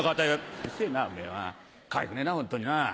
「うっせぇなおめぇはかわいくねえなホントにな」。